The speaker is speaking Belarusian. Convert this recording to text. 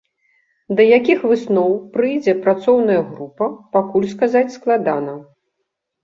Да якіх высноў прыйдзе працоўная група, пакуль сказаць складана.